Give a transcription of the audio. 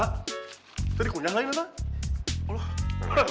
kita dikunyah lagi mbak